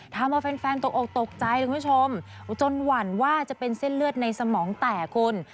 ทำเอาแฟนตกออกตกใจคุณผู้ชมจนหวั่นว่าจะเป็นเส้นเลือดในสมองแตกคุณ